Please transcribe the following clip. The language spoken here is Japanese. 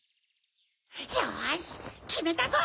よしきめたぞ！